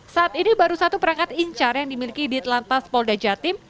saat ini baru satu perangkat incar yang dimiliki di telantas polda jatim